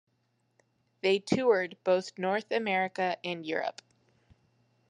They toured both North America and Europe.